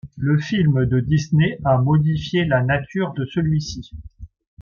Le film de Disney a modifié la nature de celui-ci.